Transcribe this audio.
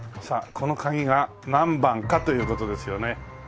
この鍵が何番かという事ですよね。